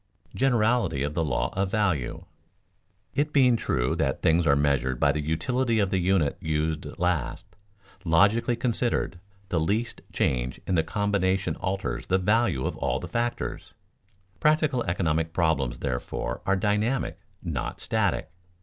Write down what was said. [Sidenote: Generality of the law of value] It being true that things are measured by the utility of the unit used last, logically considered, the least change in the combination alters the value of all the factors. Practical economic problems, therefore, are dynamic, not static.